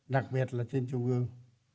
đặc biệt là trên trung ương